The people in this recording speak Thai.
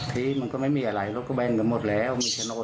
มีเชียวกอทก็หมดแล้วทุกคน